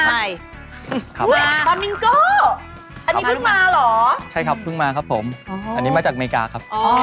มามิงโก้อันนี้เพิ่งมาเหรอใช่ครับเพิ่งมาครับผมอันนี้มาจากอเมริกาครับ